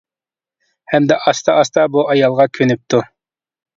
ھەمدە ئاستا ئاستا بۇ ئايالغا كۆنۈپتۇ.